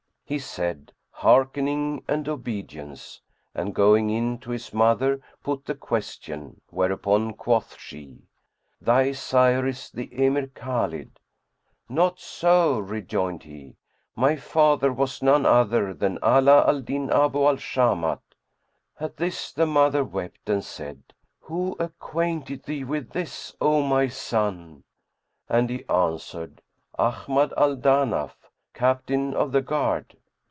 He said, "Hearkening and obedience," and, going in to his mother put the question; whereupon quoth she, "Thy sire is the Emir Khбlid!" "Not so," rejoined he, "my father was none other than Ala al Din Abu al Shamat." At this the mother wept and said, "Who acquainted thee with this, O my son?" And he answered "Ahmad al Danaf, Captain of the Guard."